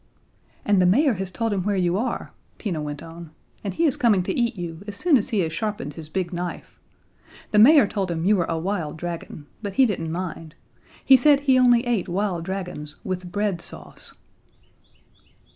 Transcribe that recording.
"And the mayor has told him where you are," Tina went on, "and he is coming to eat you as soon as he has sharpened his big knife. The mayor told him you were a wild dragon but he didn't mind. He said he only ate wild dragons with bread sauce."